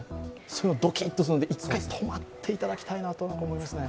そういうの、ドキッとするので、１回止まっていただきたいなと思いますよね。